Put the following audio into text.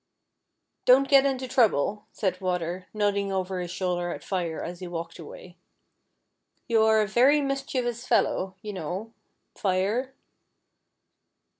"Don't f;;et into trouble," said Water, noddinf^ over his shoulder at Fire as he walked away. "You arc a very mischievous fellow, you know, Fire."